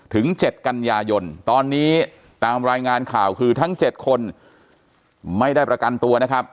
ถึง๗กันยายนตอนนี้ตามรายงานข่าวคือทั้ง๗คนไม่ได้ประกันตัวนะครับ